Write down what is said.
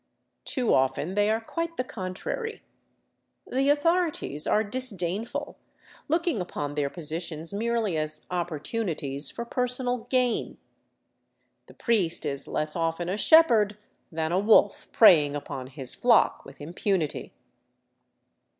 Too often they are quite the contrary. The authorities are disdainful, look ing upon their positions merely as opportunities for personal gain ; the priest is less often a shepherd than a wolf preying upon his flock with impunity.